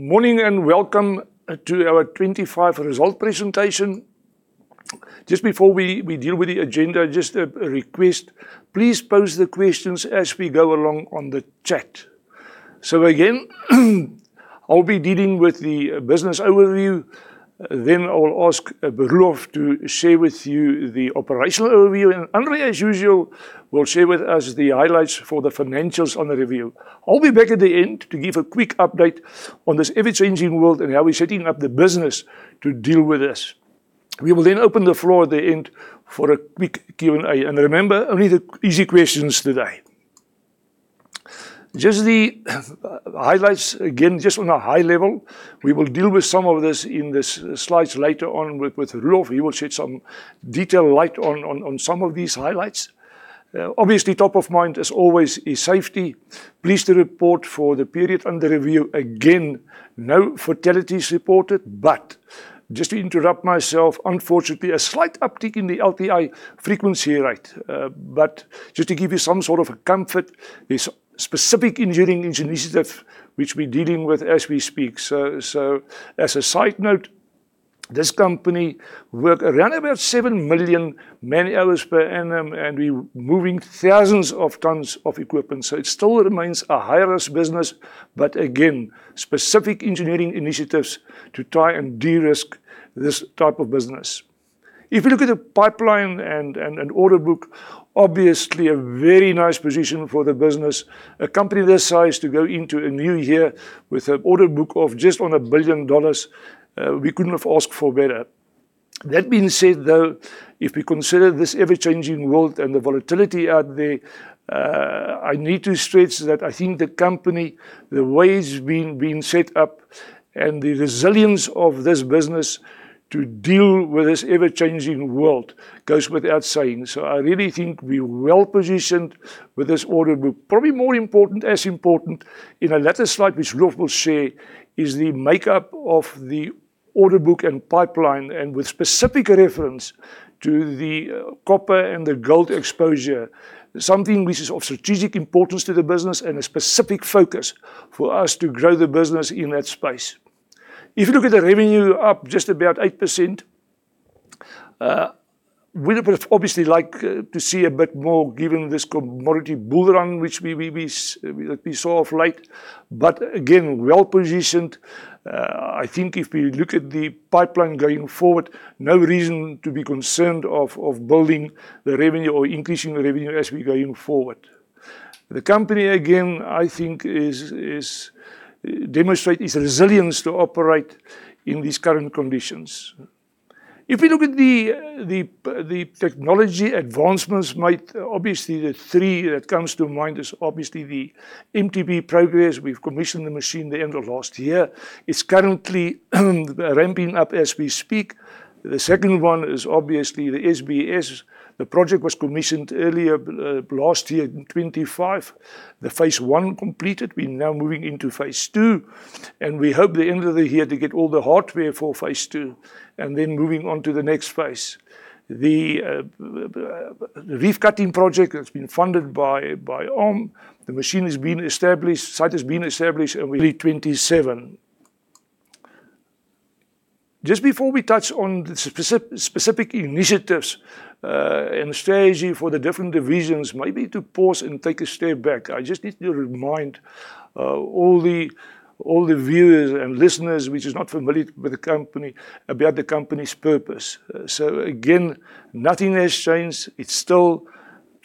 Morning and welcome to our 2025 results presentation. Just before we deal with the agenda, just a request, please pose the questions as we go along on the chat. Again, I'll be dealing with the business overview, then I will ask Roelof to share with you the operational overview, and André, as usual, will share with us the highlights for the financials on the review. I'll be back at the end to give a quick update on this ever-changing world and how we're setting up the business to deal with this. We will then open the floor at the end for a quick Q&A. Remember, only the easy questions today. Just the highlights again, just on a high level. We will deal with some of this in the slides later on with Roelof. He will shed some detailed light on some of these highlights. Obviously top of mind as always is safety. Pleased to report for the period under review, again, no fatalities reported. Just to interrupt myself, unfortunately, a slight uptick in the LTI frequency rate. Just to give you some sort of a comfort, there's specific engineering initiatives which we're dealing with as we speak. As a side note, this company work around 7 million man hours per annum, and we're moving thousands of tons of equipment. It still remains a high-risk business, but again, specific engineering initiatives to try and de-risk this type of business. If you look at the pipeline and an order book, obviously a very nice position for the business. A company this size to go into a new year with an order book of just on $1 billion, we couldn't have asked for better. That being said, though, if we consider this ever-changing world and the volatility out there, I need to stress that I think the company, the way it's been set up and the resilience of this business to deal with this ever-changing world goes without saying. I really think we're well-positioned with this order book. Probably more important, as important, in a later slide which Roelof will share, is the makeup of the order book and pipeline, and with specific reference to the Copper and the Gold exposure, something which is of strategic importance to the business and a specific focus for us to grow the business in that space. If you look at the revenue, up just about 8%. We would obviously like to see a bit more given this commodity bull run that we saw of late. Again, well-positioned. I think if we look at the pipeline going forward, no reason to be concerned of building the revenue or increasing the revenue as we're going forward. The company, again, I think demonstrates its resilience to operate in these current conditions. If you look at the technology advancements made, obviously the three that comes to mind is obviously the MTB progress. We've commissioned the machine the end of last year. It's currently ramping up as we speak. The second one is obviously the SBS. The project was commissioned earlier last year in 2025. Phase I completed. We're now moving into phase II, and we hope the end of the year to get all the hardware for phase II and then moving on to the next phase. The reef cutting project that's been funded by OM. The machine has been established, site has been established in early 2027. Just before we touch on the specific initiatives and strategy for the different divisions, maybe to pause and take a step back. I just need to remind all the viewers and listeners which is not familiar with the company about the company's purpose. Again, nothing has changed. It's still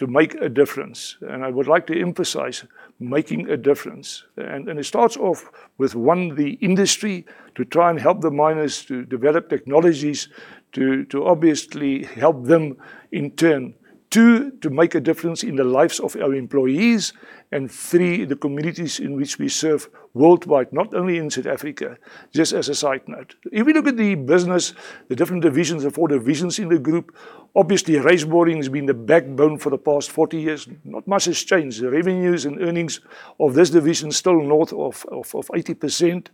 to make a difference, and I would like to emphasize making a difference. It starts off with one, the industry to try and help the miners to develop technologies to obviously help them in turn. Two, to make a difference in the lives of our employees. Three, the communities in which we serve worldwide, not only in South Africa, just as a side note. If you look at the business, the different divisions, the four divisions in the group, obviously Raiseboring has been the backbone for the past 40 years. Not much has changed. The revenues and earnings of this division still north of 80%.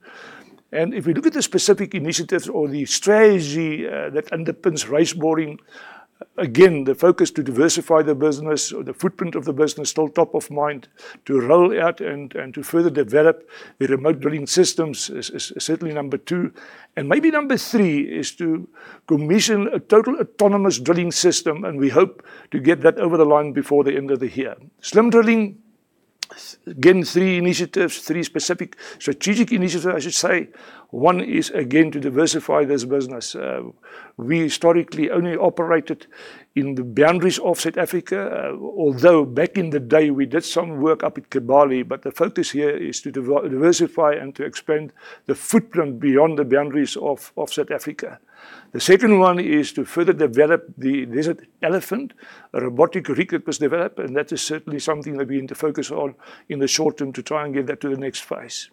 If you look at the specific initiatives or the strategy that underpins Raiseboring, again, the focus to diversify the business or the footprint of the business still top of mind. To roll out and to further develop the remote drilling systems is certainly number two. Maybe number three is to commission a total autonomous drilling system, and we hope to get that over the line before the end of the year. Slim drilling, again, three specific strategic initiatives, I should say. One is again, to diversify this business. We historically only operated in the boundaries of South Africa, although back in the day we did some work up at Kibali, but the focus here is to diversify and to expand the footprint beyond the boundaries of South Africa. The second one is to further develop the Desert Elephant, a robotic rig that was developed, and that is certainly something that we need to focus on in the short term to try and get that to the next phase.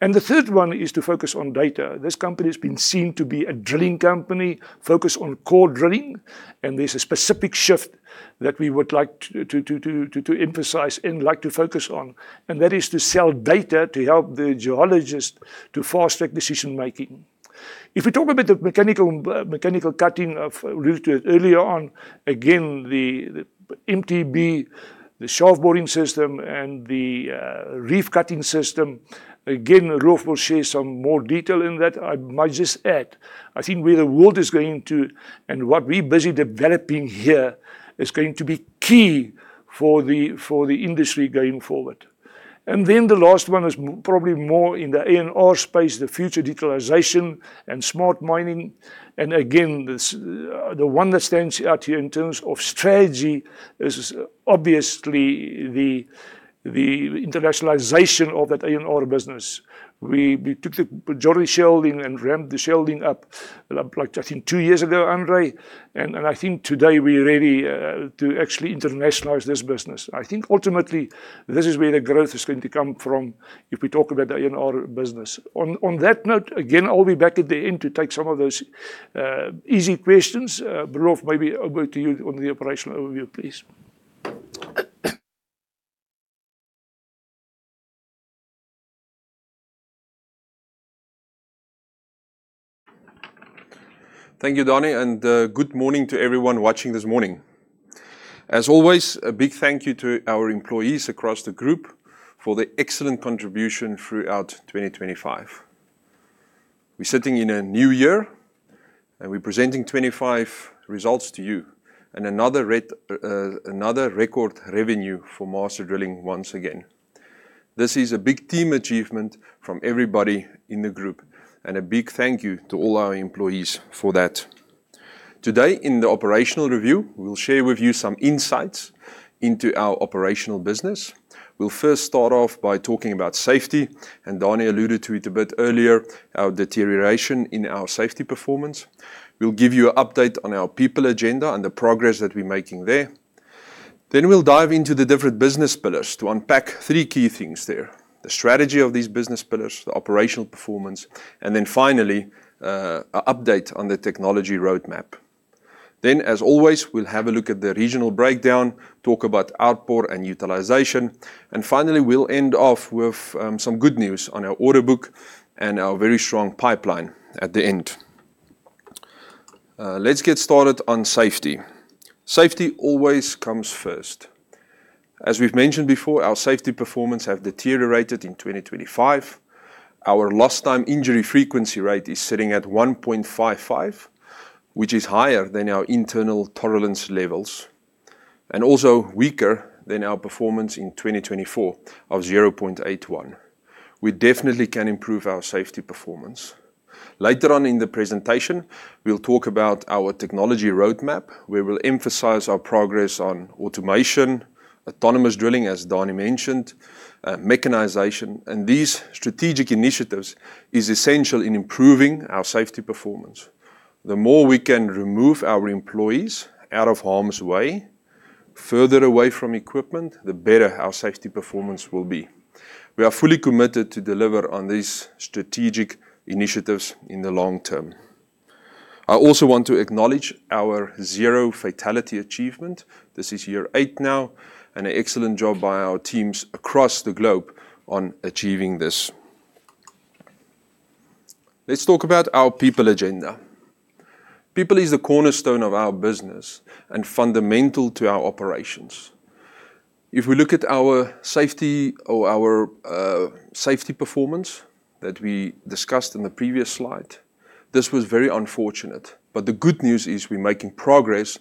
The third one is to focus on data. This company has been seen to be a drilling company, focused on core drilling, and there's a specific shift that we would like to emphasize and like to focus on, and that is to sell data to help the geologist to fast-track decision-making. If we talk about the mechanical cutting referred to it earlier on, again, the MTB, the Shaft Boring System and the Reef Cutting System, again, Roelof will share some more detail in that. I might just add, I think where the world is going to and what we're busy developing here is going to be key for the industry going forward. The last one is probably more in the A&R space, the future digitalization and smart mining. Again, this, the one that stands out here in terms of strategy is obviously the internationalization of that A&R business. We took the majority shareholding and ramped the shareholding up like, I think two years ago, André. I think today we're ready to actually internationalize this business. I think ultimately this is where the growth is going to come from if we talk about the A&R business. On that note, again, I'll be back at the end to take some of those easy questions. Roelof, maybe over to you on the operational overview, please. Thank you, Daniël, and good morning to everyone watching this morning. As always, a big thank you to our employees across the group for their excellent contribution throughout 2025. We're sitting in a new year, and we're presenting 2025 results to you and another record revenue for Master Drilling once again. This is a big team achievement from everybody in the group, and a big thank you to all our employees for that. Today in the operational review, we'll share with you some insights into our operational business. We'll first start off by talking about safety, and Daniël alluded to it a bit earlier, our deterioration in our safety performance. We'll give you an update on our people agenda and the progress that we're making there. Then we'll dive into the different business pillars to unpack three key things there. The strategy of these business pillars, the operational performance, and then finally, an update on the technology roadmap. As always, we'll have a look at the regional breakdown, talk about output and utilization. Finally, we'll end off with some good news on our order book and our very strong pipeline at the end. Let's get started on safety. Safety always comes first. As we've mentioned before, our safety performance have deteriorated in 2025. Our Lost Time Injury Frequency Rate is sitting at 1.55, which is higher than our internal tolerance levels and also weaker than our performance in 2024 of 0.81. We definitely can improve our safety performance. Later on in the presentation, we'll talk about our technology roadmap. We will emphasize our progress on automation, autonomous drilling, as Daniël mentioned, mechanization, and these strategic initiatives is essential in improving our safety performance. The more we can remove our employees out of harm's way, further away from equipment, the better our safety performance will be. We are fully committed to deliver on these strategic initiatives in the long term. I also want to acknowledge our zero fatality achievement. This is year eight now and an excellent job by our teams across the globe on achieving this. Let's talk about our people agenda. People is the cornerstone of our business and fundamental to our operations. If we look at our safety performance that we discussed in the previous slide, this was very unfortunate. The good news is we're making progress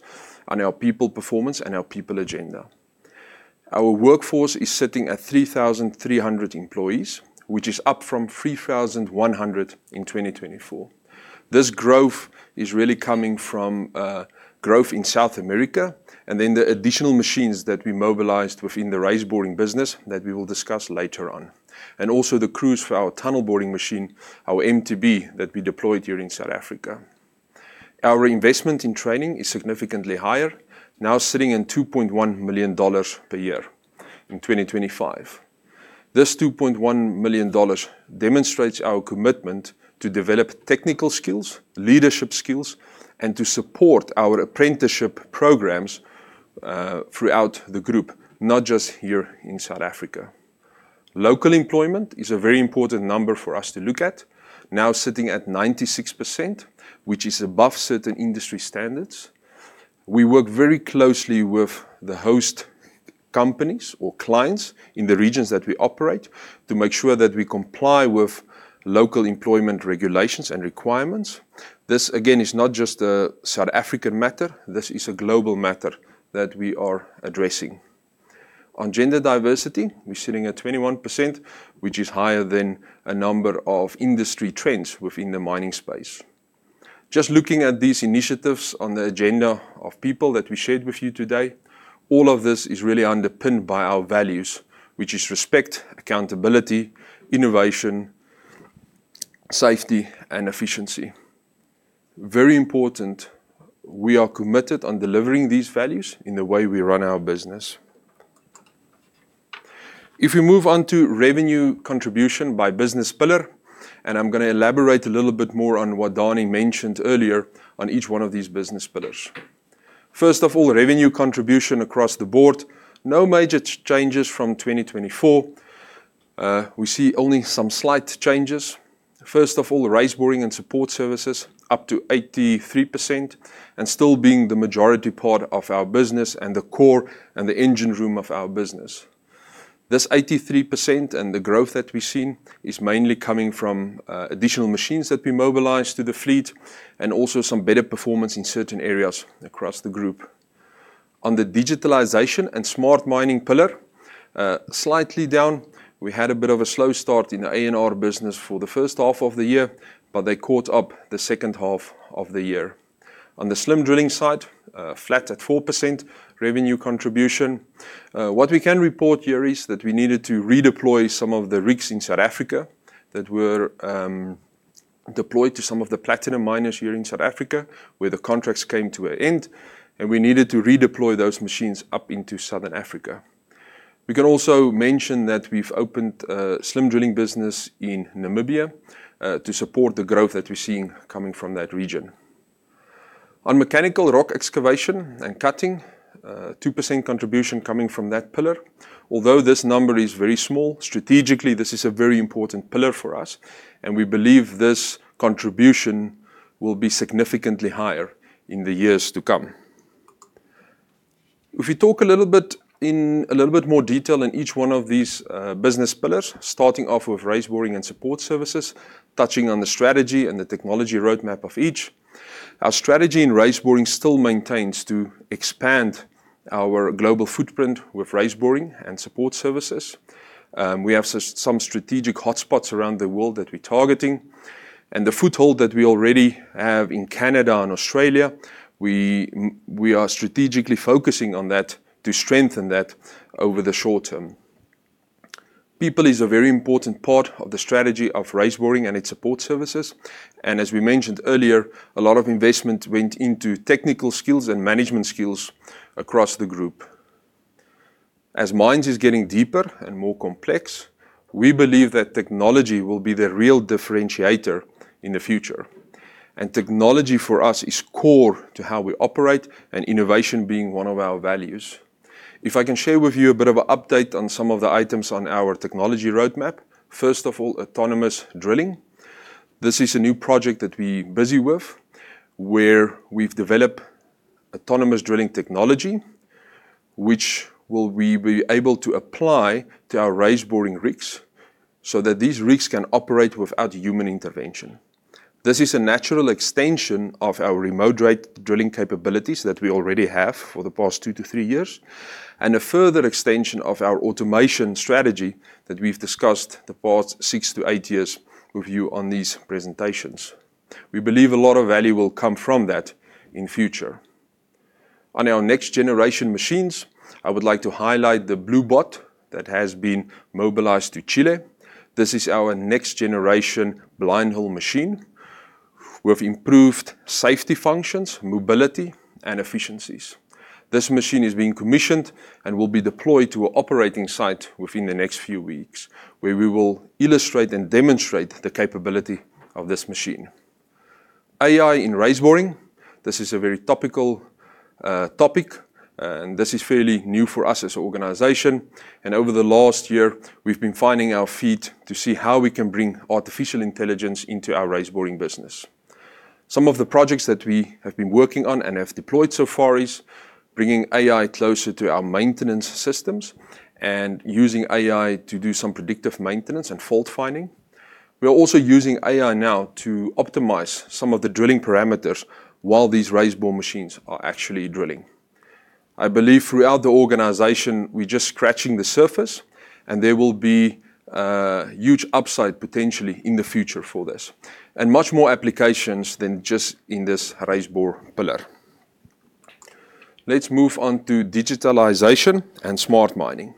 on our people performance and our people agenda. Our workforce is sitting at 3,300 employees, which is up from 3,100 in 2024. This growth is really coming from growth in South America and then the additional machines that we mobilized within the raise boring business that we will discuss later on. Also the crews for our tunnel boring machine, our MTB, that we deployed here in South Africa. Our investment in training is significantly higher, now sitting at $2.1 million per year in 2025. This $2.1 million demonstrates our commitment to develop technical skills, leadership skills, and to support our apprenticeship programs throughout the group, not just here in South Africa. Local employment is a very important number for us to look at, now sitting at 96%, which is above certain industry standards. We work very closely with the host companies or clients in the regions that we operate to make sure that we comply with local employment regulations and requirements. This, again, is not just a South African matter. This is a global matter that we are addressing. On gender diversity, we're sitting at 21%, which is higher than a number of industry trends within the mining space. Just looking at these initiatives on the agenda of people that we shared with you today, all of this is really underpinned by our values, which is respect, accountability, innovation, safety and efficiency. Very important, we are committed on delivering these values in the way we run our business. If we move on to revenue contribution by business pillar, and I'm going to elaborate a little bit more on what Daniël mentioned earlier on each one of these business pillars. First of all, revenue contribution across the board. No major changes from 2024. We see only some slight changes. First of all, raise boring and support services up to 83% and still being the majority part of our business and the core and the engine room of our business. This 83% and the growth that we've seen is mainly coming from additional machines that we mobilized to the fleet and also some better performance in certain areas across the group. On the digitalization and smart mining pillar, slightly down. We had a bit of a slow start in the A&R business for the first half of the year, but they caught up in the second half of the year. On the slim drilling side, flat at 4% revenue contribution. What we can report here is that we needed to redeploy some of the rigs in South Africa that were deployed to some of the platinum miners here in South Africa, where the contracts came to an end, and we needed to redeploy those machines up into Southern Africa. We can also mention that we've opened a slim drilling business in Namibia to support the growth that we're seeing coming from that region. On mechanical rock excavation and cutting, 2% contribution coming from that pillar. Although this number is very small, strategically, this is a very important pillar for us, and we believe this contribution will be significantly higher in the years to come. If we talk a little bit more detail in each one of these business pillars, starting off with raise boring and support services, touching on the strategy and the technology roadmap of each. Our strategy in raise boring still maintains to expand our global footprint with raise boring and support services. We have some strategic hotspots around the world that we're targeting. The foothold that we already have in Canada and Australia, we are strategically focusing on that to strengthen that over the short term. People is a very important part of the strategy of raise boring and its support services. As we mentioned earlier, a lot of investment went into technical skills and management skills across the group. As mines are getting deeper and more complex, we believe that technology will be the real differentiator in the future. Technology for us is core to how we operate and innovation being one of our values. If I can share with you a bit of an update on some of the items on our technology roadmap. First of all, autonomous drilling. This is a new project that we busy with, where we've developed autonomous drilling technology, which we will be able to apply to our raise boring rigs so that these rigs can operate without human intervention. This is a natural extension of our remote raise drilling capabilities that we already have for the past two to three years, and a further extension of our automation strategy that we've discussed the past six to eight years with you on these presentations. We believe a lot of value will come from that in future. On our next-generation machines, I would like to highlight the Bluebot that has been mobilized to Chile. This is our next-generation blind hole boring machine with improved safety functions, mobility and efficiencies. This machine is being commissioned and will be deployed to an operating site within the next few weeks, where we will illustrate and demonstrate the capability of this machine. AI in raise boring. This is a very topical topic, and this is fairly new for us as an organization. Over the last year, we've been finding our feet to see how we can bring artificial intelligence into our raise boring business. Some of the projects that we have been working on and have deployed so far is bringing AI closer to our maintenance systems and using AI to do some predictive maintenance and fault finding. We are also using AI now to optimize some of the drilling parameters while these raise bore machines are actually drilling. I believe throughout the organization, we're just scratching the surface and there will be huge upside potentially in the future for this, and much more applications than just in this raise bore pillar. Let's move on to digitalization and smart mining.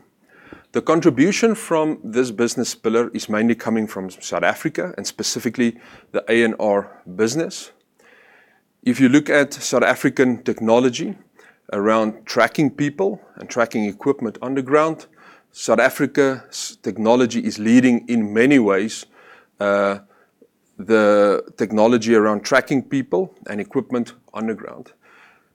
The contribution from this business pillar is mainly coming from South Africa and specifically the A&R business. If you look at South African technology around tracking people and tracking equipment underground, South Africa's technology is leading in many ways.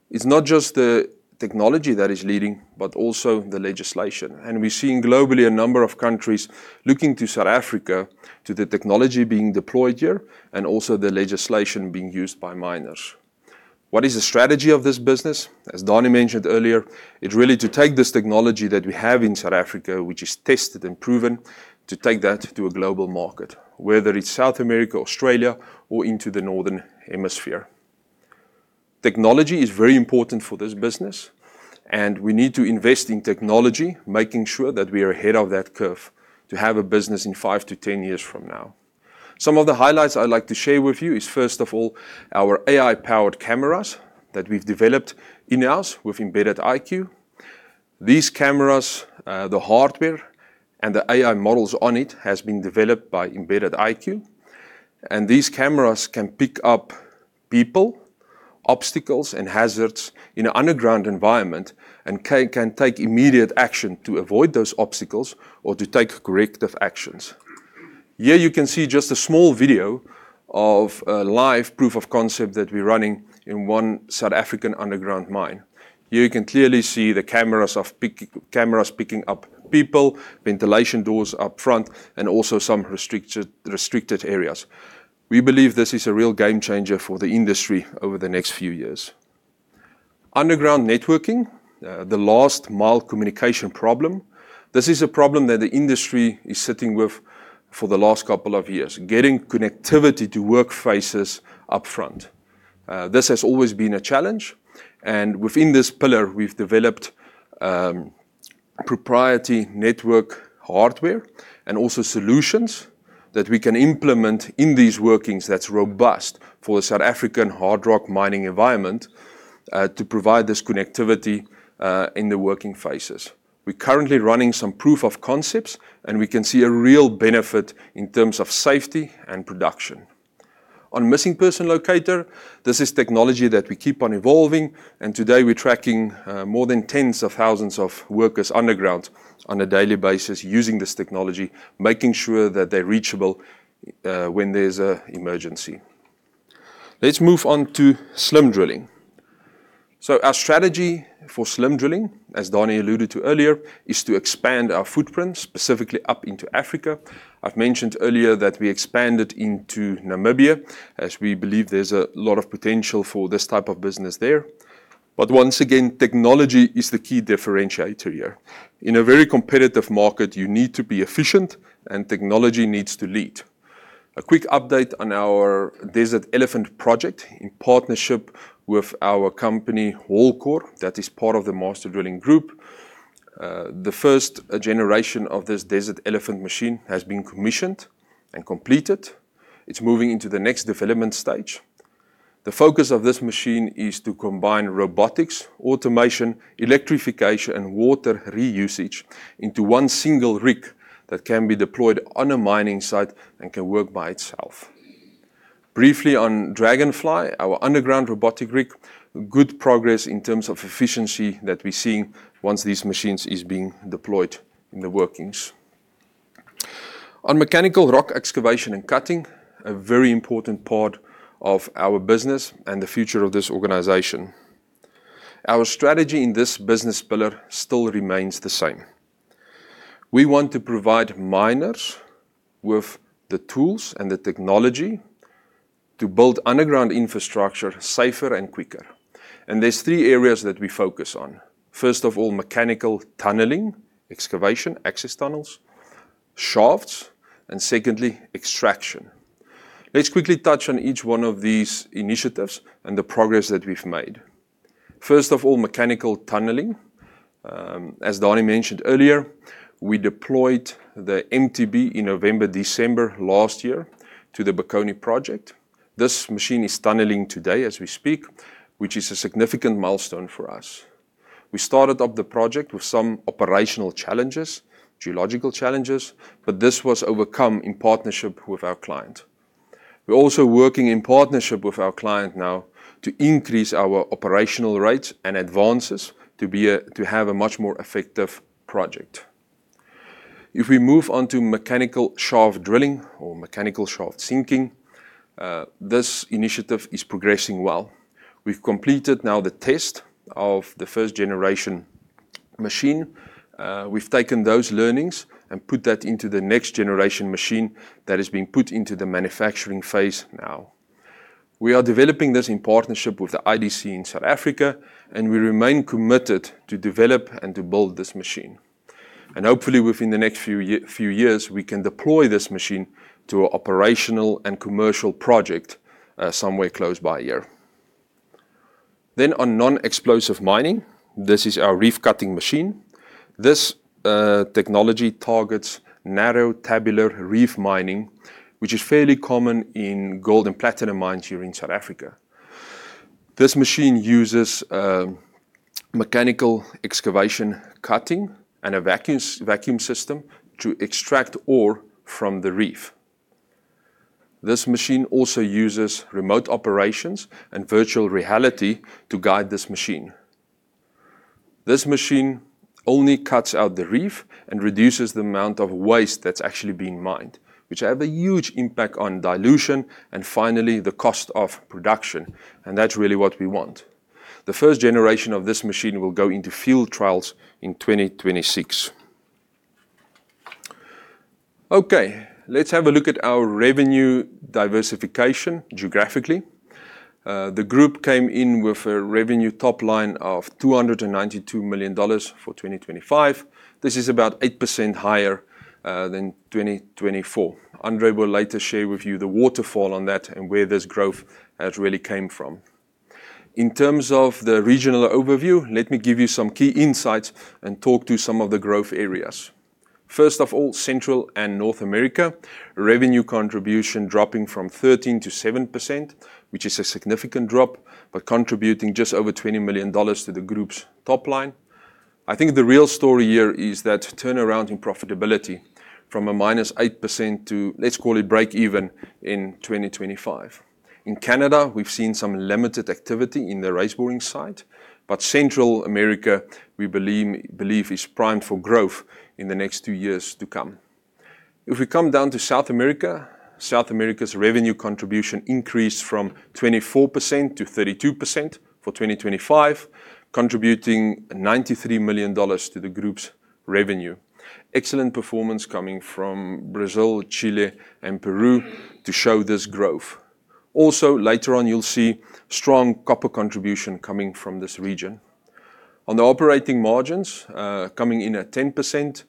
It's not just the technology that is leading, but also the legislation. We're seeing globally a number of countries looking to South Africa to the technology being deployed here and also the legislation being used by miners. What is the strategy of this business? As Daniël mentioned earlier, it's really to take this technology that we have in South Africa, which is tested and proven, to take that to a global market, whether it's South America, Australia or into the northern hemisphere. Technology is very important for this business, and we need to invest in technology, making sure that we are ahead of that curve to have a business in five to 10 years from now. Some of the highlights I'd like to share with you is, first of all, our AI-powered cameras that we've developed in-house with Embedded IQ. These cameras, the hardware and the AI models on it has been developed by Embedded IQ. These cameras can pick up people, obstacles and hazards in an underground environment and can take immediate action to avoid those obstacles or to take corrective actions. Here you can see just a small video of a live proof of concept that we're running in one South African underground mine. You can clearly see the cameras picking up people, ventilation doors up front, and also some restricted areas. We believe this is a real game changer for the industry over the next few years. Underground networking, the last mile communication problem. This is a problem that the industry is sitting with for the last couple of years, getting connectivity to work faces upfront. This has always been a challenge, and within this pillar we've developed proprietary network hardware and also solutions that we can implement in these workings that's robust for the South African hard rock mining environment, to provide this connectivity in the working phases. We're currently running some proof of concepts, and we can see a real benefit in terms of safety and production. On missing person locator, this is technology that we keep on evolving, and today we're tracking more than tens of thousands of workers underground on a daily basis using this technology, making sure that they're reachable when there's an emergency. Let's move on to slim drilling. Our strategy for slim drilling, as Donnie alluded to earlier, is to expand our footprint specifically up into Africa. I've mentioned earlier that we expanded into Namibia, as we believe there's a lot of potential for this type of business there. Once again, technology is the key differentiator here. In a very competitive market, you need to be efficient and technology needs to lead. A quick update on our Desert Elephant project in partnership with our company, Hall Core, that is part of the Master Drilling Group. The first generation of this Desert Elephant machine has been commissioned and completed. It's moving into the next development stage. The focus of this machine is to combine robotics, automation, electrification, and water reusage into one single rig that can be deployed on a mining site and can work by itself. Briefly on Dragonfly, our underground robotic rig. Good progress in terms of efficiency that we're seeing once these machines is being deployed in the workings. On mechanical rock excavation and cutting. A very important part of our business and the future of this organization. Our strategy in this business pillar still remains the same. We want to provide miners with the tools and the technology to build underground infrastructure safer and quicker. There's three areas that we focus on. First of all, mechanical tunneling, excavation, access tunnels, shafts, and secondly, extraction. Let's quickly touch on each one of these initiatives and the progress that we've made. First of all, mechanical tunneling. As Donnie mentioned earlier, we deployed the MTB in November, December last year to the Bokoni project. This machine is tunneling today as we speak, which is a significant milestone for us. We started up the project with some operational challenges, geological challenges, but this was overcome in partnership with our client. We're also working in partnership with our client now to increase our operational rates and advances to have a much more effective project. If we move on to mechanical shaft drilling or mechanical shaft sinking, this initiative is progressing well. We've completed now the test of the first generation machine. We've taken those learnings and put that into the next generation machine that is being put into the manufacturing phase now. We are developing this in partnership with the IDC in South Africa, and we remain committed to develop and to build this machine. Hopefully, within the next few years, we can deploy this machine to a operational and commercial project, somewhere close by here. On non-explosive mining, this is our reef cutting machine. This technology targets narrow tabular reef mining, which is fairly common in gold and platinum mines here in South Africa. This machine uses mechanical excavation cutting and a vacuum system to extract ore from the reef. This machine also uses remote operations and virtual reality to guide this machine. This machine only cuts out the reef and reduces the amount of waste that's actually being mined, which have a huge impact on dilution, and finally, the cost of production, and that's really what we want. The first generation of this machine will go into field trials in 2026. Okay, let's have a look at our revenue diversification geographically. The group came in with a revenue top line of $292 million for 2025. This is about 8% higher than 2024. André will later share with you the waterfall on that and where this growth really came from. In terms of the regional overview, let me give you some key insights and talk to some of the growth areas. First of all, Central and North America, revenue contribution dropping from 13% to 7%, which is a significant drop, but contributing just over $20 million to the group's top line. I think the real story here is that turnaround in profitability from -8% to, let's call it break even, in 2025. In Canada, we've seen some limited activity in the raise boring side, but Central America, we believe is primed for growth in the next two years to come. If we come down to South America, South America's revenue contribution increased from 24% to 32% for 2025, contributing $93 million to the group's revenue. Excellent performance coming from Brazil, Chile, and Peru to show this growth. Also, later on, you'll see strong copper contribution coming from this region. On the operating margins, coming in at 10%,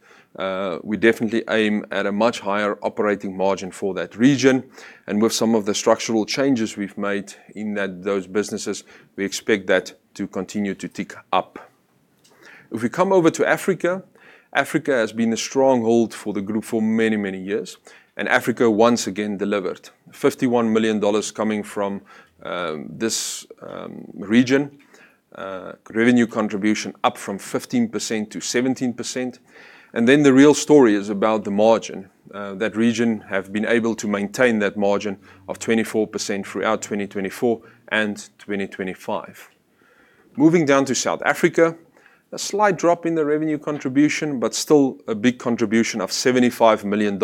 we definitely aim at a much higher operating margin for that region. With some of the structural changes we've made in those businesses, we expect that to continue to tick up. If we come over to Africa has been a stronghold for the group for many, many years. Africa, once again, delivered $51 million coming from this region. Revenue contribution up from 15%-17%. The real story is about the margin. That region have been able to maintain that margin of 24% throughout 2024 and 2025. Moving down to South Africa, a slight drop in the revenue contribution, but still a big contribution of $75 million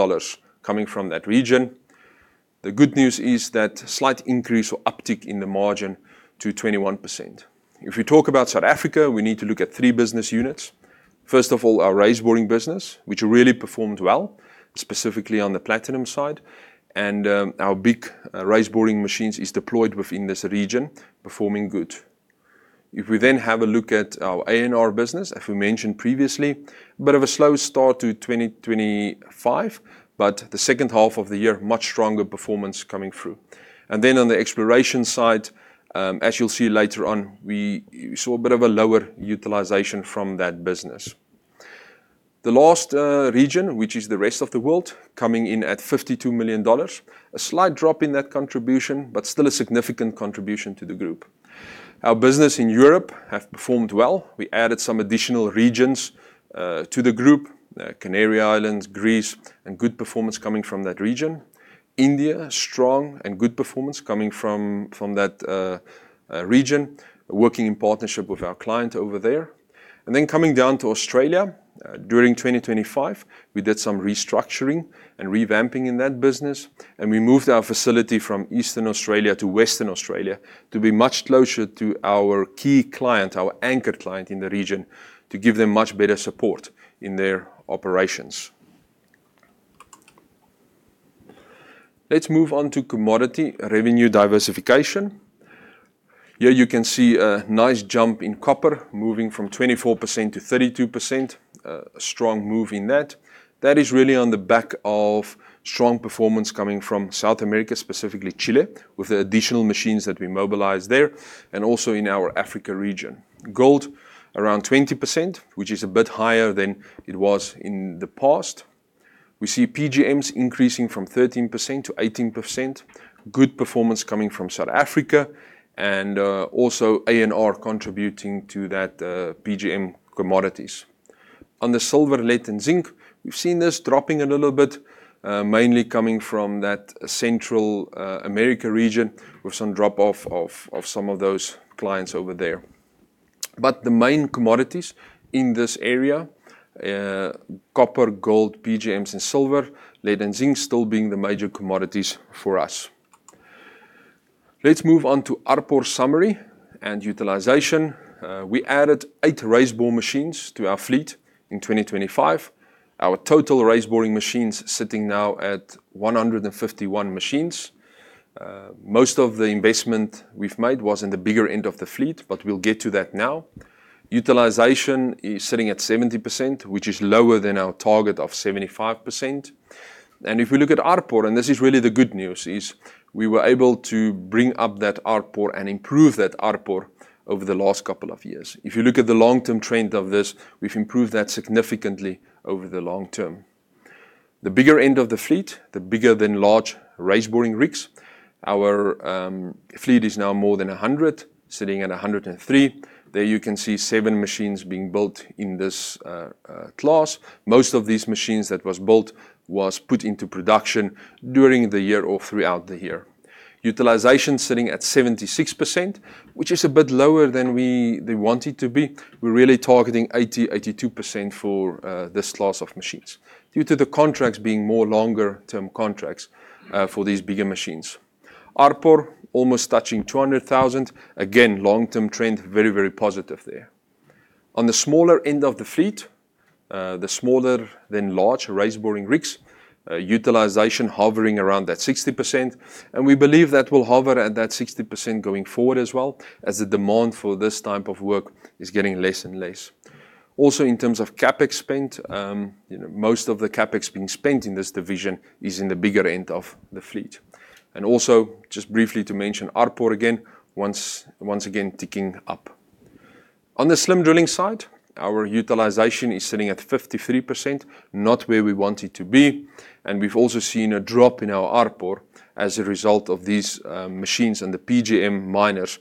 coming from that region. The good news is that slight increase or uptick in the margin to 21%. If we talk about South Africa, we need to look at three business units. First of all, our raise boring business, which really performed well, specifically on the platinum side. Our big raise boring machines is deployed within this region, performing good. If we then have a look at our A&R business, as we mentioned previously, a bit of a slow start to 2025, but the second half of the year, much stronger performance coming through. On the exploration side, as you'll see later on, we saw a bit of a lower utilization from that business. The last region, which is the rest of the world, coming in at $52 million. A slight drop in that contribution, but still a significant contribution to the group. Our business in Europe have performed well. We added some additional regions to the group, Canary Islands, Greece, and good performance coming from that region. India, strong and good performance coming from that region, working in partnership with our client over there. Coming down to Australia, during 2025, we did some restructuring and revamping in that business, and we moved our facility from Eastern Australia to Western Australia to be much closer to our key client, our anchor client in the region, to give them much better support in their operations. Let's move on to commodity revenue diversification. Here you can see a nice jump in copper moving from 24% to 32%. A strong move in that. That is really on the back of strong performance coming from South America, specifically Chile, with the additional machines that we mobilized there, and also in our Africa region. Gold, around 20%, which is a bit higher than it was in the past. We see PGMs increasing from 13% to 18%. Good performance coming from South Africa and also A&R contributing to that PGMs commodities. On the silver, lead, and zinc, we've seen this dropping a little bit mainly coming from that Central America region with some drop off of some of those clients over there. The main commodities in this area copper, gold, PGMs, and silver, lead and zinc still being the major commodities for us. Let's move on to ARPU summary and utilization. We added eight raise boring machines to our fleet in 2025. Our total raise boring machines sitting now at 151 machines. Most of the investment we've made was in the bigger end of the fleet, but we'll get to that now. Utilization is sitting at 70%, which is lower than our target of 75%. If we look at ARPU, and this is really the good news, is we were able to bring up that ARPU and improve that ARPU over the last couple of years. If you look at the long-term trend of this, we've improved that significantly over the long term. The bigger end of the fleet, the bigger than large raise boring rigs. Our fleet is now more than 100, sitting at 103. There you can see seven machines being built in this class. Most of these machines that was built was put into production during the year or throughout the year. Utilization sitting at 76%, which is a bit lower than we wanted to be. We're really targeting 80%-82% for this class of machines due to the contracts being more longer term contracts for these bigger machines. ARPU almost touching 200,000. Again, long-term trend, very, very positive there. On the smaller end of the fleet, the smaller than large raise boring rigs, utilization hovering around that 60%. We believe that will hover at that 60% going forward as well as the demand for this type of work is getting less and less. Also, in terms of CapEx spend, you know, most of the CapEx being spent in this division is in the bigger end of the fleet. Also, just briefly to mention ARPU again, once again, ticking up. On the slim drilling side, our utilization is sitting at 53%, not where we want it to be. We've also seen a drop in our ARPU as a result of these, machines and the PGM miners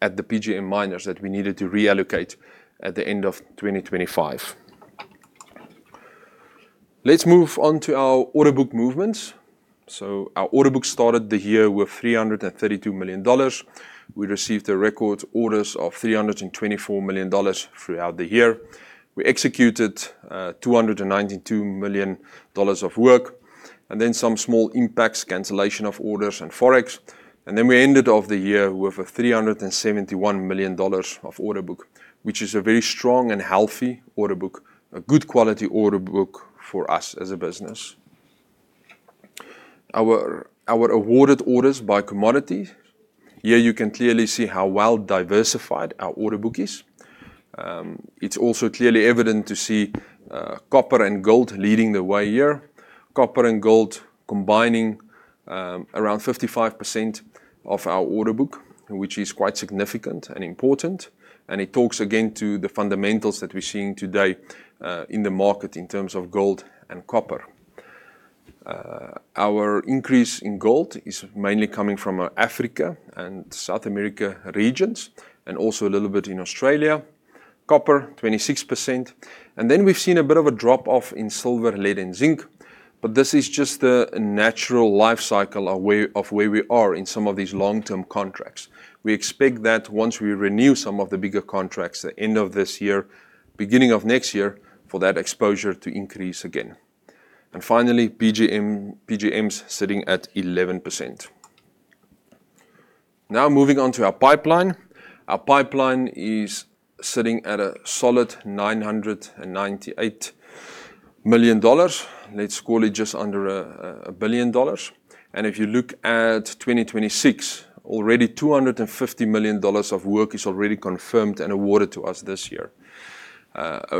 at the PGM miners that we needed to reallocate at the end of 2025. Let's move on to our order book movements. Our order book started the year with $332 million. We received a record orders of $324 million throughout the year. We executed, $292 million dollars of work, and then some small impacts, cancellation of orders and Forex. Then we ended off the year with a $371 million of order book, which is a very strong and healthy order book, a good quality order book for us as a business. Our awarded orders by commodity. Here you can clearly see how well diversified our order book is. It's also clearly evident to see, Copper and Gold leading the way here. Copper and Gold combining, around 55% of our order book, which is quite significant and important, and it talks again to the fundamentals that we're seeing today, in the market in terms of Gold and Copper. Our increase in Gold is mainly coming from, Africa and South America regions and also a little bit in Australia. Copper, 26%. Then we've seen a bit of a drop-off in Silver, lead and zinc, but this is just the natural life cycle of where we are in some of these long-term contracts. We expect that once we renew some of the bigger contracts at end of this year, beginning of next year, for that exposure to increase again. Finally, PGM sitting at 11%. Now moving on to our pipeline. Our pipeline is sitting at a solid $998 million. Let's call it just under $1 billion. If you look at 2026, already $250 million of work is already confirmed and awarded to us this year.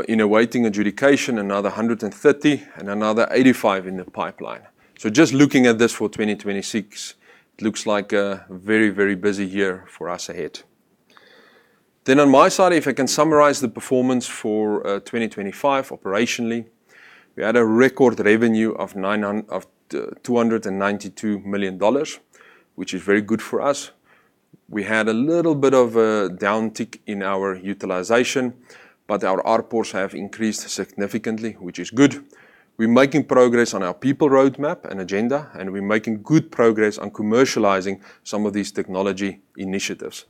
In awaiting adjudication, another $130 million and another $85 million in the pipeline. Just looking at this for 2026, looks like a very, very busy year for us ahead. On my side, if I can summarize the performance for 2025 operationally. We had a record revenue of $292 million, which is very good for us. We had a little bit of a downtick in our utilization, but our ARPUs have increased significantly, which is good. We're making progress on our people roadmap and agenda, and we're making good progress on commercializing some of these technology initiatives.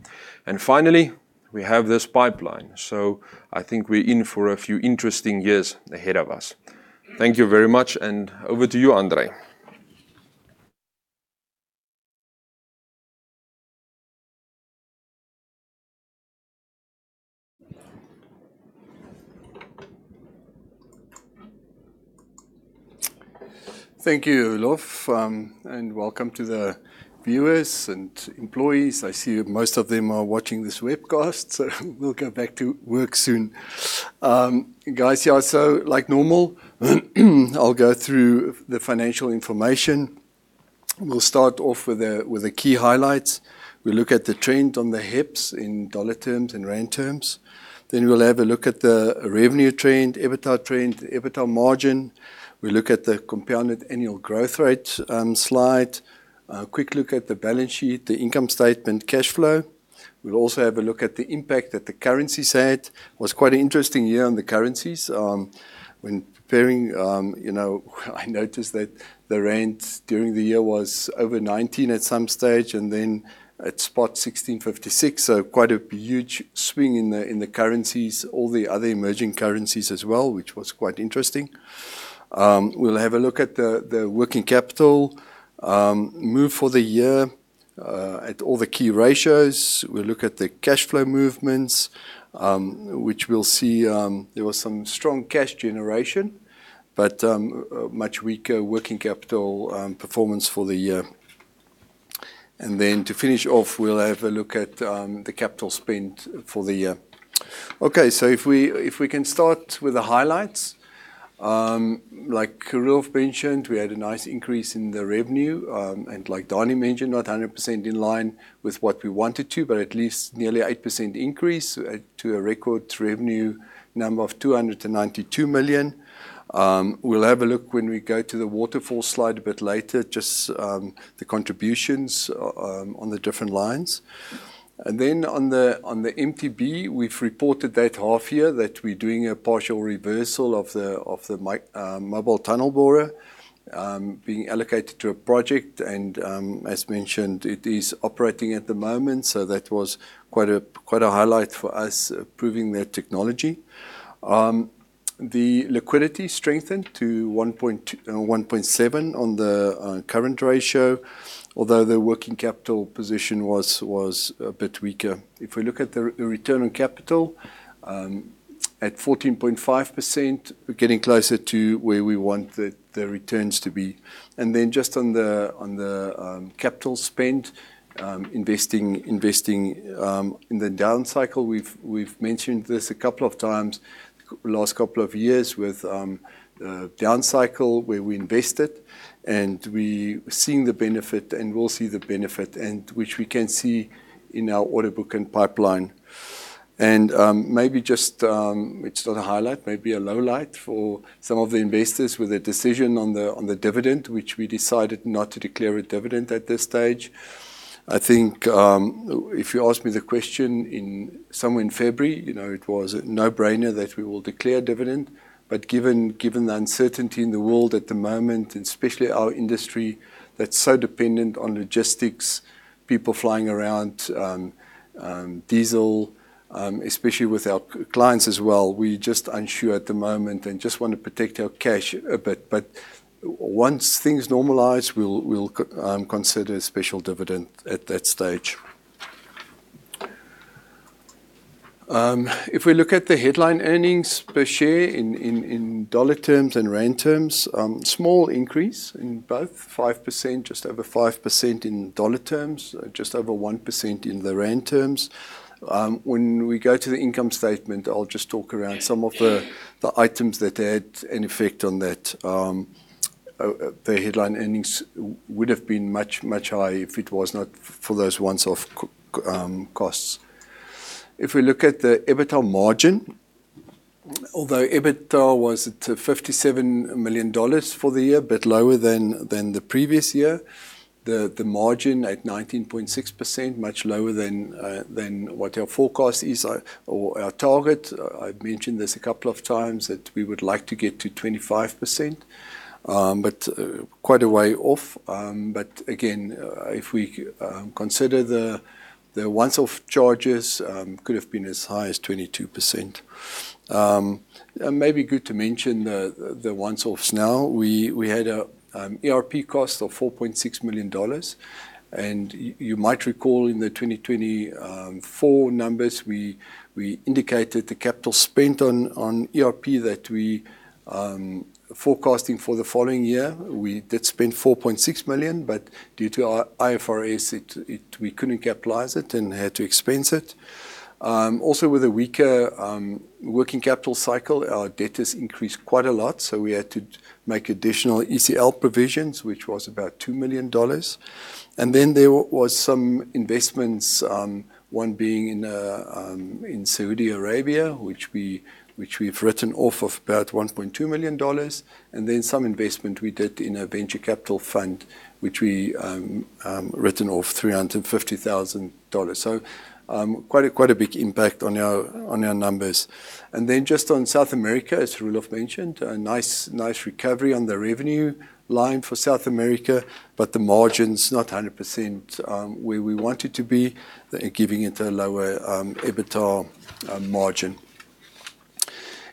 Finally, we have this pipeline. I think we're in for a few interesting years ahead of us. Thank you very much and over to you, André. Thank you, Roelof, and welcome to the viewers and employees. I see most of them are watching this webcast, so we'll go back to work soon. Guys, yeah, like normal, I'll go through the financial information. We'll start off with the key highlights. We'll look at the trend on the HEPS in dollar terms and rand terms. Then we'll have a look at the revenue trend, EBITDA trend, EBITDA margin. We'll look at the compounded annual growth rate slide. A quick look at the balance sheet, the income statement, cash flow. We'll also have a look at the impact that the currencies had. It was quite an interesting year on the currencies. When preparing, you know, I noticed that the rand during the year was over 19 at some stage and then at spot 16.56, so quite a huge swing in the currencies. All the other emerging currencies as well, which was quite interesting. We'll have a look at the working capital move for the year at all the key ratios. We'll look at the cash flow movements, which we'll see there was some strong cash generation, but much weaker working capital performance for the year. Then to finish off, we'll have a look at the capital spend for the year. Okay, if we can start with the highlights. Like Roelof mentioned, we had a nice increase in the revenue, and like Daniël mentioned, not 100% in line with what we wanted to, but at least nearly 8% increase to a record revenue number of 292 million. We'll have a look when we go to the waterfall slide a bit later, just the contributions on the different lines. On the MTB, we've reported that half year that we're doing a partial reversal of the mobile tunnel borer being allocated to a project. As mentioned, it is operating at the moment, so that was quite a highlight for us proving that technology. The liquidity strengthened to 1.7 on the current ratio, although the working capital position was a bit weaker. If we look at the return on capital at 14.5%, we're getting closer to where we want the returns to be. Then just on the capital spend, investing in the down cycle, we've mentioned this a couple of times last couple of years with down cycle where we invested and we're seeing the benefit and we'll see the benefit and which we can see in our order book and pipeline. Maybe just it's not a highlight, maybe a lowlight for some of the investors with a decision on the dividend, which we decided not to declare a dividend at this stage. I think if you ask me the question somewhere in February, you know, it was a no-brainer that we will declare dividend. Given the uncertainty in the world at the moment, and especially our industry that's so dependent on logistics, people flying around, diesel, especially with our clients as well, we're just unsure at the moment and just wanna protect our cash a bit. Once things normalize, we'll consider a special dividend at that stage. If we look at the headline earnings per share in dollar terms and rand terms, small increase in both, 5%, just over 5% in dollar terms, just over 1% in the rand terms. When we go to the income statement, I'll just talk around some of the items that had an effect on that. The headline earnings would have been much higher if it was not for those once-off costs. If we look at the EBITDA margin, although EBITDA was at $57 million for the year, a bit lower than the previous year. The margin at 19.6%, much lower than what our forecast is or our target. I've mentioned this a couple of times that we would like to get to 25%, but quite a way off. But again, if we consider the once-off charges, could have been as high as 22%. Maybe good to mention the once-offs now. We had a ERP cost of $4.6 million. You might recall in the 2024 numbers, we indicated the capital spent on ERP that we forecasting for the following year. We did spend $4.6 million, but due to our IFRS, we couldn't capitalize it and had to expense it. Also with a weaker working capital cycle, our debt has increased quite a lot, so we had to make additional ECL provisions, which was about $2 million. Then there was some investments, one being in Saudi Arabia, which we've written off about $1.2 million. Then some investment we did in a venture capital fund, which we written off $350,000. Quite a big impact on our numbers. Just on South America, as Roelof mentioned, a nice recovery on the revenue line for South America, but the margins not 100%, where we want it to be, giving it a lower EBITDA margin.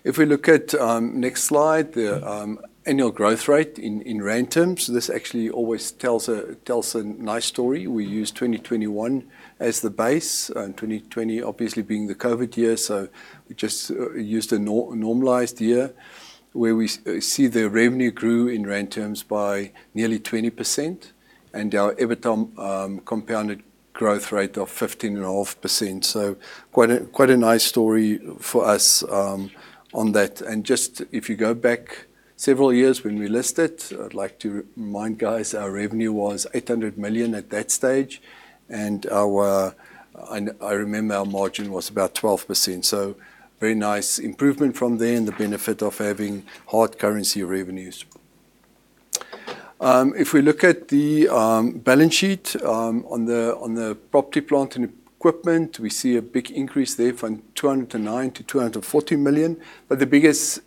If we look at next slide, the annual growth rate in rand terms. This actually always tells a nice story. We use 2021 as the base, and 2020 obviously being the COVID year, so we just used a normalized year, where we see the revenue grew in rand terms by nearly 20% and our EBITDA compounded growth rate of 15.5%. So quite a nice story for us on that. Just if you go back several years when we listed, I'd like to remind guys our revenue was 800 million at that stage. I remember our margin was about 12%. Very nice improvement from there and the benefit of having hard currency revenues. If we look at the balance sheet, on the property, plant, and equipment, we see a big increase there from 209 million to 240 million. The biggest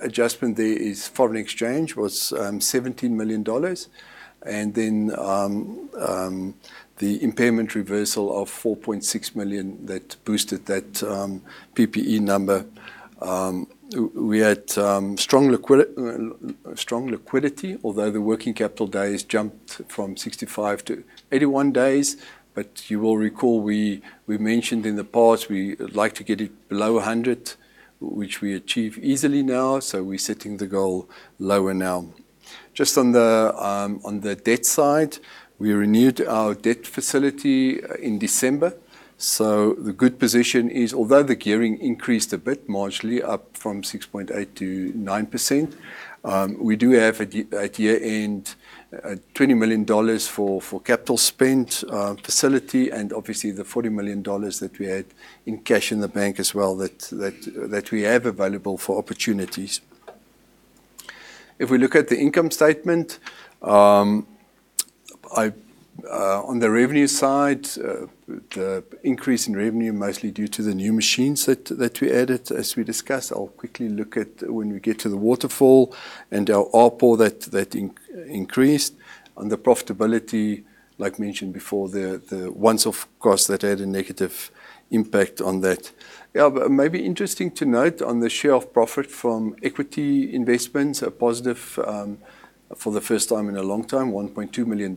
adjustment there is foreign exchange was $17 million. Then, the impairment reversal of 4.6 million that boosted that PPE number. We had strong liquidity, although the working capital days jumped from 65 days to 81 days. You will recall we mentioned in the past we like to get it below 100, which we achieve easily now. We're setting the goal lower now. Just on the debt side, we renewed our debt facility in December. The good position is, although the gearing increased a bit marginally up from 6.8%-9%, we do have at year-end $20 million for capital spend facility, and obviously the $40 million that we had in cash in the bank as well that we have available for opportunities. If we look at the income statement, on the revenue side, the increase in revenue mostly due to the new machines that we added, as we discussed. I'll quickly look at when we get to the waterfall and our ARPU that increased. On the profitability, like mentioned before, the one-off costs that had a negative impact on that. Yeah. Maybe interesting to note on the share of profit from equity investments are positive, for the first time in a long time, $1.2 million.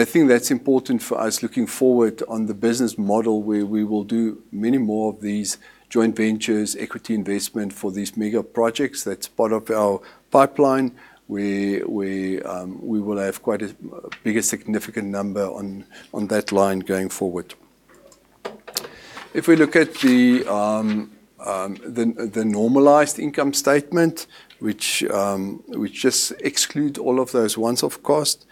I think that's important for us looking forward on the business model, where we will do many more of these joint ventures, equity investment for these mega projects. That's part of our pipeline, where we will have quite a bigger significant number on that line going forward. If we look at the normalized income statement, which just exclude all of those once-off costs,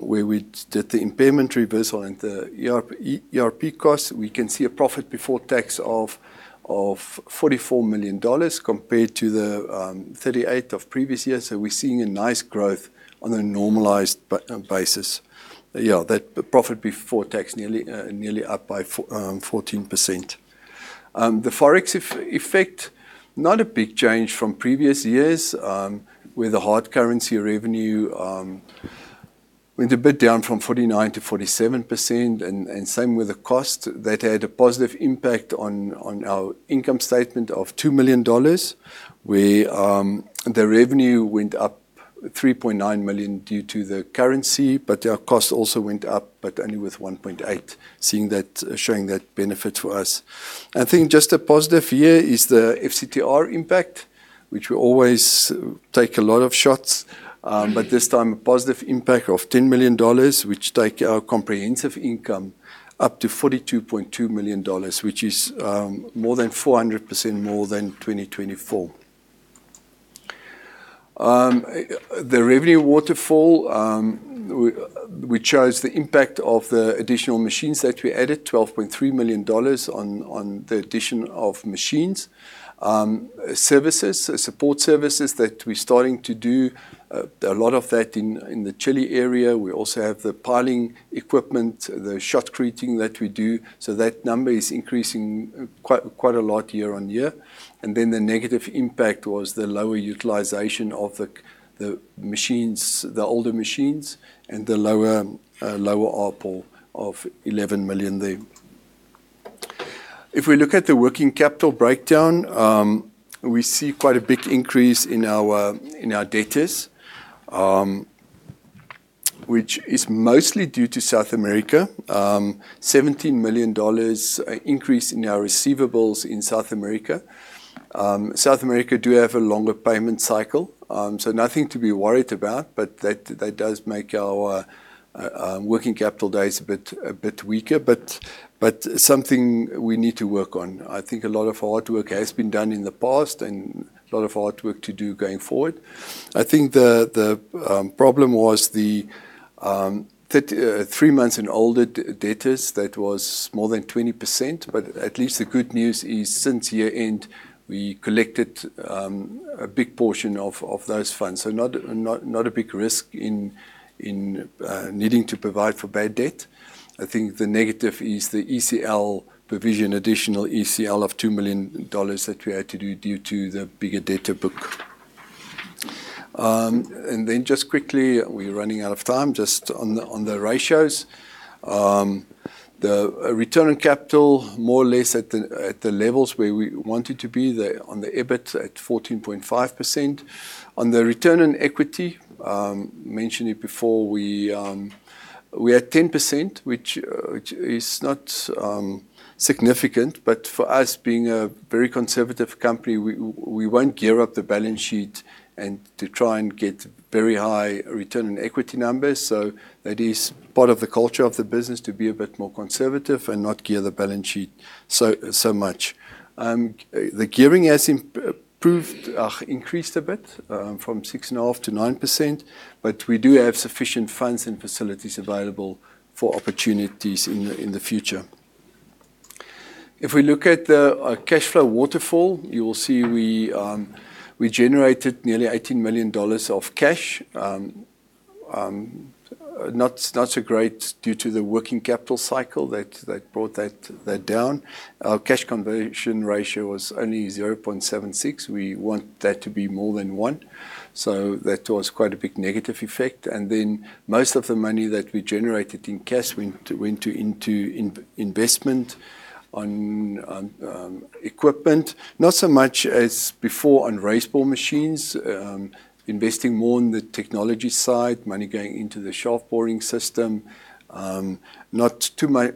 where we did the impairment reversal and the ERP costs, we can see a profit before tax of $44 million compared to the $38 million of previous years. We're seeing a nice growth on a normalized basis. Yeah. That profit before tax nearly up by 14%. The Forex effect, not a big change from previous years, with the hard currency revenue went a bit down from 49% to 47% and same with the cost. That had a positive impact on our income statement of $2 million, where the revenue went up $3.9 million due to the currency, but our costs also went up, but only with $1.8 million, showing that benefit to us. I think just a positive here is the FCTR impact, which will always take a lot of shots. This time, a positive impact of $10 million, which take our comprehensive income up to $42.2 million, which is more than 400% more than 2024. The revenue waterfall shows the impact of the additional machines that we added, $12.3 million on the addition of machines. Services, support services that we're starting to do, a lot of that in the Chile area. We also have the piling equipment, the shotcreting that we do. That number is increasing quite a lot year-on-year. The negative impact was the lower utilization of the machines, the older machines, and the lower ARPU of $11 million there. If we look at the working capital breakdown, we see quite a big increase in our debtors, which is mostly due to South America. $17 million increase in our receivables in South America. South America do have a longer payment cycle, so nothing to be worried about, but that does make our working capital days a bit weaker, but something we need to work on. I think a lot of hard work has been done in the past and a lot of hard work to do going forward. I think the problem was the three months and older debtors, that was more than 20%. At least the good news is since year-end, we collected a big portion of those funds. Not a big risk in needing to provide for bad debt. I think the negative is the ECL provision, additional ECL of $2 million that we had to do due to the bigger debtor book. Just quickly, we're running out of time, just on the ratios. The return on capital, more or less at the levels where we want it to be there on the EBIT at 14.5%. On the return on equity, mentioned it before, we had 10%, which is not significant, but for us, being a very conservative company, we won't gear up the balance sheet and to try and get very high return on equity numbers. That is part of the culture of the business to be a bit more conservative and not gear the balance sheet so much. The gearing has improved, increased a bit, from 6.5%-9%, but we do have sufficient funds and facilities available for opportunities in the future. If we look at the cash flow waterfall, you will see we generated nearly $18 million of cash. Not so great due to the working capital cycle that brought that down. Our cash conversion ratio was only 0.76. We want that to be more than 1. That was quite a big negative effect. Most of the money that we generated in cash went into investment on equipment. Not so much as before on raise boring machines, investing more on the technology side, money going into the Shaft Boring System. Basically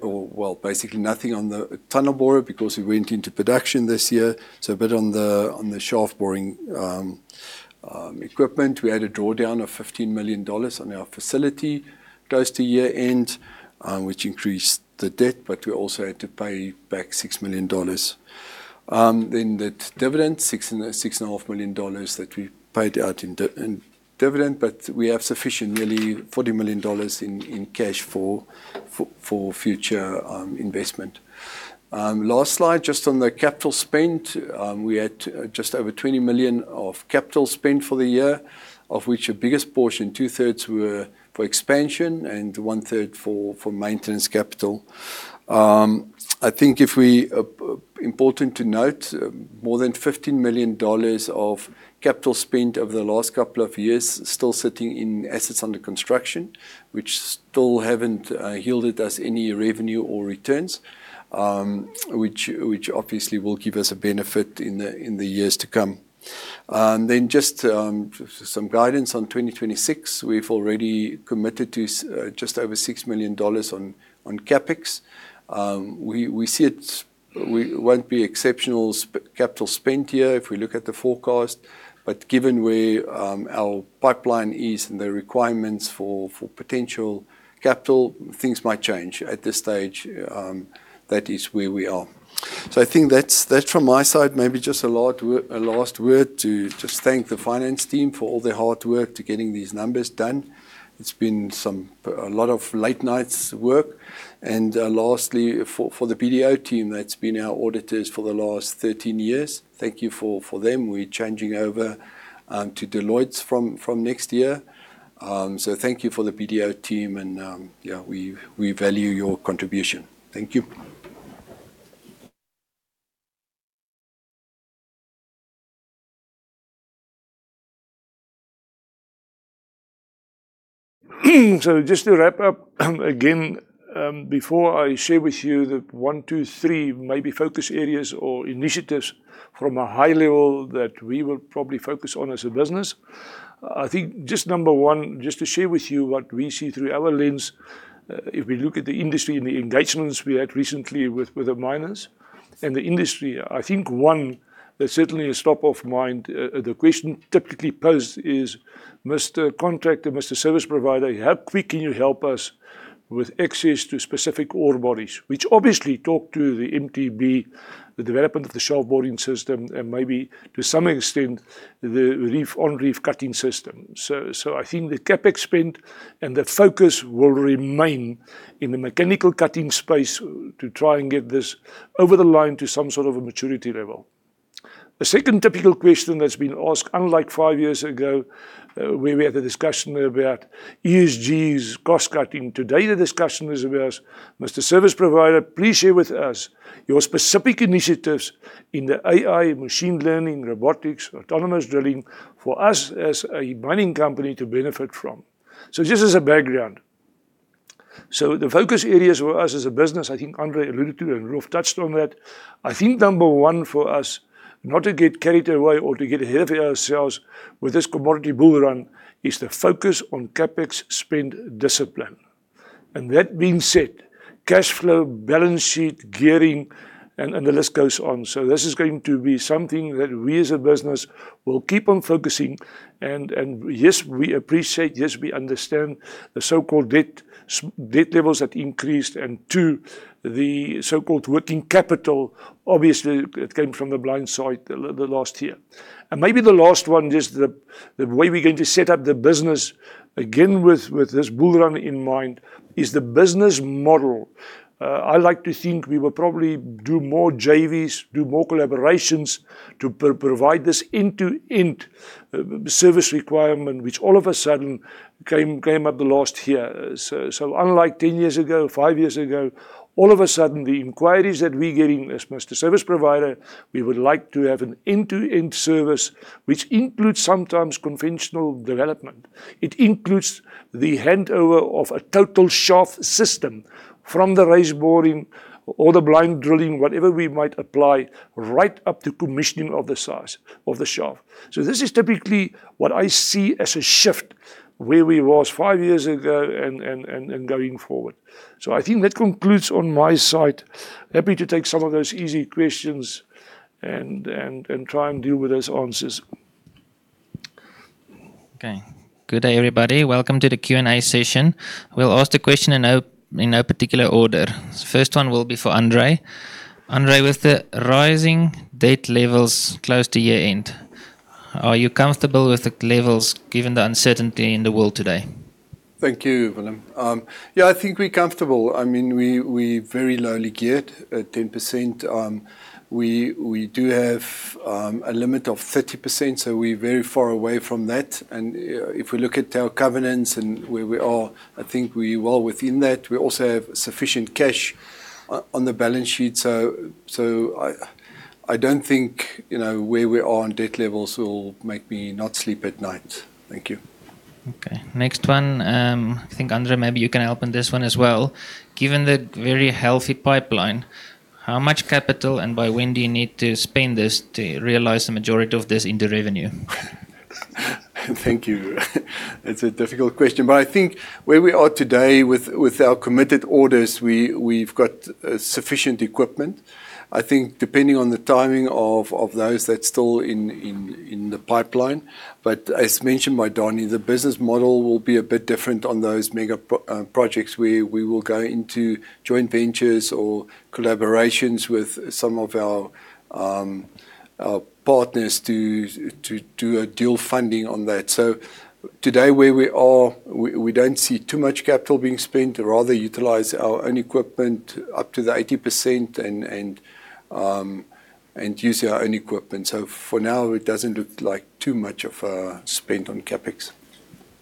nothing on the tunnel borers because we went into production this year. A bit on the shaft boring equipment. We had a drawdown of $15 million on our facility close to year-end, which increased the debt, but we also had to pay back $6 million. The dividend, $6.5 million that we paid out in dividend, but we have sufficient nearly $40 million in cash for future investment. Last slide, just on the capital spend. We had just over $20 million of capital spend for the year, of which the biggest portion, 2/3 were for expansion and 1/3 for maintenance capital. It's important to note more than $15 million of capital spend over the last couple of years still sitting in assets under construction, which still haven't yielded us any revenue or returns, which obviously will give us a benefit in the years to come. Just some guidance on 2026. We've already committed to just over $6 million on CapEx. We see it won't be exceptional capital spend year if we look at the forecast. Given where our pipeline is and the requirements for potential capital, things might change. At this stage, that is where we are. I think that's from my side. Maybe just a last word to just thank the finance team for all their hard work to getting these numbers done. It's been a lot of late nights work. Lastly, for the BDO team that's been our auditors for the last 13 years, thank you for them. We're changing over to Deloitte from next year. Thank you for the BDO team and, yeah, we value your contribution. Thank you. Just to wrap up again, before I share with you the one, two, three maybe focus areas or initiatives from a high level that we will probably focus on as a business. I think just number one, just to share with you what we see through our lens, if we look at the industry and the engagements we had recently with the miners and the industry, I think one that's certainly a top of mind, the question typically posed is, "Mr. Contractor, Mr. Service Provider, how quick can you help us with access to specific ore bodies?" Which obviously talk to the MTB, the development of the shaft boring system and maybe to some extent the reef cutting system. I think the CapEx spend and that focus will remain in the mechanical cutting space to try and get this over the line to some sort of a maturity level. The second typical question that's been asked, unlike five years ago, where we had a discussion about ESG, cost-cutting. Today the discussion is with us, "Mr. Service Provider, please share with us your specific initiatives in the AI, machine learning, robotics, autonomous drilling for us as a mining company to benefit from." Just as a background. The focus areas for us as a business, I think André alluded to and Roelof touched on that. I think number one for us, not to get carried away or to get ahead of ourselves with this commodity bull run, is the focus on CapEx spend discipline. That being said, cash flow, balance sheet, gearing, and the list goes on. This is going to be something that we as a business will keep on focusing and yes, we appreciate, yes, we understand the so-called debt levels that increased and too, the so-called working capital. Obviously it came from the blindside last year. Maybe the last one, just the way we're going to set up the business again with this bull run in mind is the business model. I like to think we will probably do more JVs, do more collaborations to provide this end-to-end service requirement, which all of a sudden came up last year. Unlike 10 years ago, five years ago, all of a sudden the inquiries that we're getting as Mr. Service Provider, we would like to have an end-to-end service, which includes sometimes conventional development. It includes the handover of a total shaft system from the raise boring or the blind drilling, whatever we might apply, right up to commissioning of the size of the shaft. This is typically what I see as a shift where we was five years ago and going forward. I think that concludes on my side. Happy to take some of those easy questions and try and deal with those answers. Okay. Good day, everybody. Welcome to the Q&A session. We'll ask the question in no particular order. First one will be for André. André, with the rising debt levels close to year-end, are you comfortable with the levels given the uncertainty in the world today? Thank you, Willem. Yeah, I think we're comfortable. I mean, we very lowly geared at 10%. We do have a limit of 30%, so we're very far away from that. If we look at our covenants and where we are, I think we're well within that. We also have sufficient cash on the balance sheet. So I don't think, you know, where we are on debt levels will make me not sleep at night. Thank you. Okay. Next one, I think, André, maybe you can help on this one as well. Given the very healthy pipeline, how much capital and by when do you need to spend this to realize the majority of this into revenue? Thank you. It's a difficult question, but I think where we are today with our committed orders, we've got sufficient equipment. I think depending on the timing of those that's still in the pipeline. As mentioned by Daniël, the business model will be a bit different on those mega projects where we will go into joint ventures or collaborations with some of our partners to do a dual funding on that. Today where we are, we don't see too much capital being spent. Rather utilize our own equipment up to 80% and use our own equipment. For now, it doesn't look like too much of a spend on CapEx.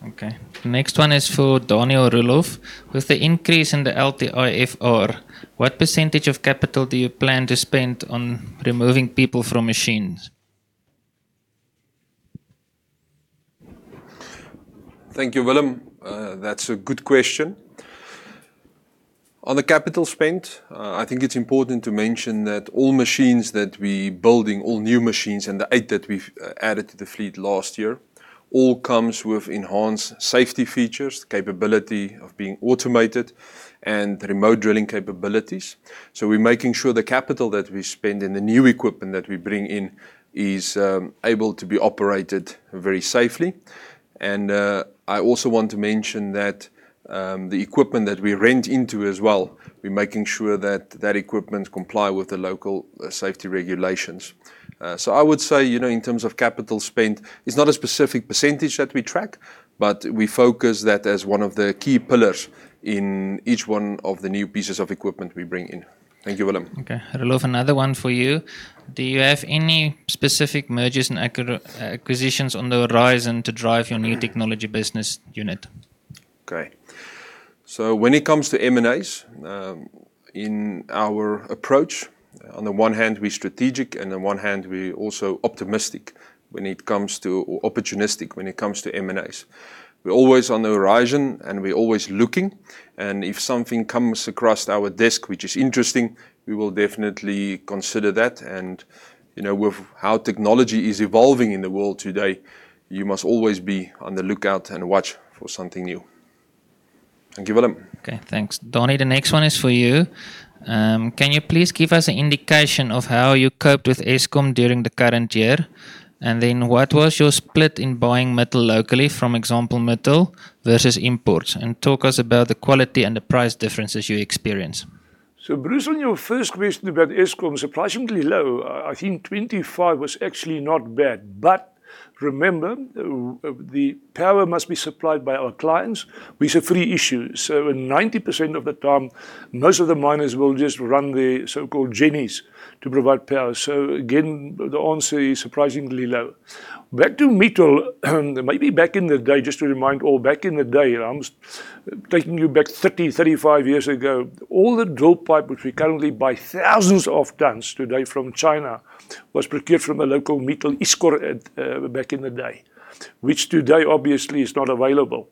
Okay. Next one is for Daniël or Roelof. With the increase in the LTIFR, what percentage of capital do you plan to spend on removing people from machines? Thank you, Willem. That's a good question. On the capital spend, I think it's important to mention that all machines that we building, all new machines and the eight that we've added to the fleet last year, all comes with enhanced safety features, capability of being automated and remote drilling capabilities. We're making sure the capital that we spend and the new equipment that we bring in is able to be operated very safely. I also want to mention that the equipment that we rent into as well, we're making sure that that equipment comply with the local safety regulations. I would say, you know, in terms of capital spend, it's not a specific percentage that we track, but we focus that as one of the key pillars in each one of the new pieces of equipment we bring in. Thank you, Willem. Okay. Roelof, another one for you. Do you have any specific mergers and acquisitions on the horizon to drive your new technology business unit? Okay. When it comes to M&A, in our approach, on the one hand we're strategic, and on one hand we're also opportunistic when it comes to M&A. We're always on the horizon, and we're always looking, and if something comes across our desk which is interesting, we will definitely consider that. You know, with how technology is evolving in the world today, you must always be on the lookout and watch for something new. Thank you, Willem. Okay, thanks. Daniël, the next one is for you. Can you please give us an indication of how you coped with Eskom during the current year? What was your split in buying metal locally from Example Metal versus imports? Talk to us about the quality and the price differences you experience? Bruce, on your first question about Eskom, surprisingly low. I think 2025 was actually not bad. Remember, the power must be supplied by our clients. We said three issues. In 90% of the time, most of the miners will just run their so-called gensets to provide power. Again, the answer is surprisingly low. Back to metal, maybe back in the day, just to remind all, back in the day, I was taking you back 30 years, 35 years ago. All the drill pipe which we currently buy thousands of tons today from China was procured from a local metal Iscor back in the day, which today obviously is not available.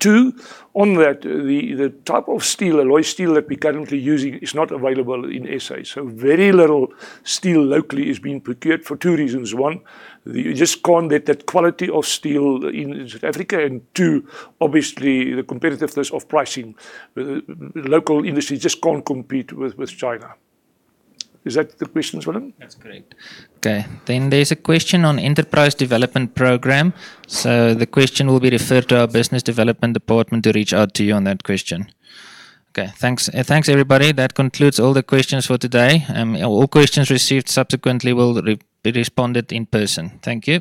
Two, on that, the type of steel, alloy steel that we're currently using is not available in SA. Very little steel locally is being procured for two reasons. One, you just can't get that quality of steel in South Africa. Two, obviously the competitiveness of pricing. The local industry just can't compete with China. Is that the questions, Willem? That's correct. Okay. There's a question on enterprise development program. The question will be referred to our business development department to reach out to you on that question. Okay, thanks. Thanks everybody. That concludes all the questions for today. All questions received subsequently will be responded in person. Thank you.